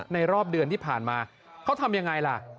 รอบเดือนที่ผ่านมาเขาทำยังไงล่ะ